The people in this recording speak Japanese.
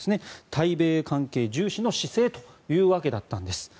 対米関係重視の姿勢というわけだったんです。